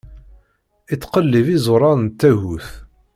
Ittqellib iẓuṛan n tagut.